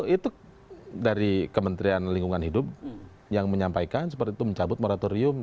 itu dari kementerian lingkungan hidup yang menyampaikan seperti itu mencabut moratorium